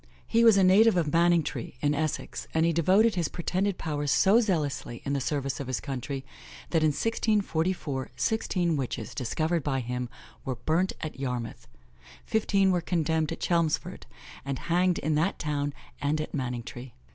He was a native of Manningtree, in Essex, and he devoted his pretended powers so zealously in the service of his country, that in 1644, sixteen witches, discovered by him, were burnt at Yarmouth; fifteen were condemned at Chelmsford, and hanged in that town and at Manningtree.